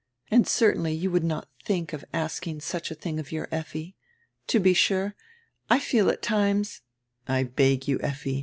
And certainly you would not think of asking such a tiring of your Effi. To be sure, I feel at times —" "I beg you, Effi."